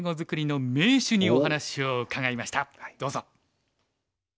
どうぞ。